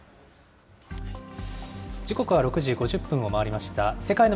時刻は６時５０分を回りました。